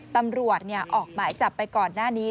ตำรวจออกหมายจับไปก่อนหน้านี้